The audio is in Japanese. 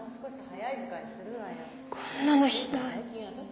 こんなのひどい。